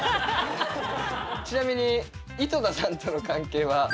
ちなみに井戸田さんとの関係は？